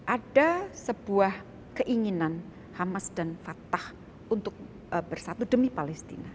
ada sebuah keinginan hamas dan fatah untuk bersatu demi palestina